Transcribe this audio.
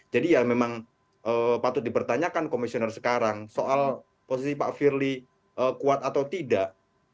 jadi ya memang patut dipertanyakan komisioner sekarang soal posisi pak firly kuat atau tidak